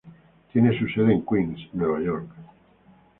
Tiene su sede en Queens, Nueva York.